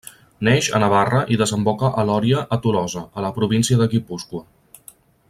Neix a Navarra i desemboca a l'Oria a Tolosa, a la província de Guipúscoa.